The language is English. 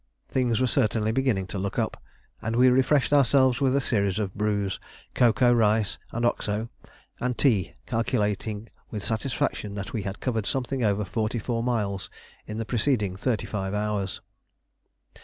Things were certainly beginning to look up, and we refreshed ourselves with a series of brews cocoa, rice and Oxo, and tea calculating with satisfaction that we had covered something over forty four miles in the preceding thirty five hours.